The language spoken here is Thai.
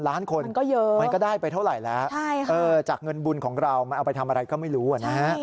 ล้านคนก็เยอะมันก็ได้ไปเท่าไหร่แล้วจากเงินบุญของเรามันเอาไปทำอะไรก็ไม่รู้นะฮะ